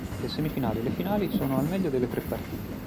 Le semifinali e le finali sono al meglio delle tre partite.